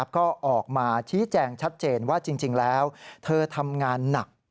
ก็ออกมาชี้แจงชัดเจนว่าจริงแล้วเธอทำงานหนัก